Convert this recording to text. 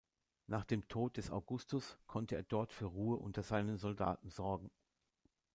Nach dem Tod des Augustus konnte er dort für Ruhe unter seinen Soldaten sorgen.